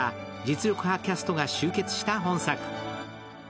実力派キャストが集結した本作。